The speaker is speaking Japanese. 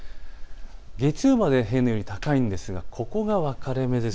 月曜日まで平年より高いんですがここが分かれ目です。